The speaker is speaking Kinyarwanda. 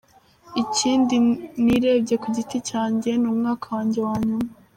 Ikindi nirebye ku giti cyanjye ni umwaka wanjye wa nyuma.